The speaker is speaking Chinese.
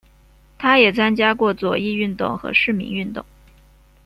他也参加过左翼运动和市民运动。